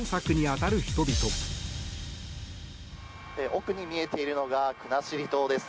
奥に見えているのが国後島です。